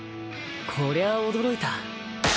こりゃあ驚いた。